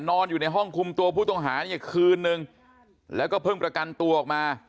นอนอยู่ในห้องคุมตัวผู้ต้องหาเนี่ยคืนนึงแล้วก็เพิ่งประกันตัวออกมา